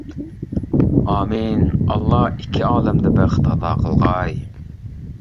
ئامىن ئاللا ئىككى ئالەمدە بەخت ئاتا قىلغاي.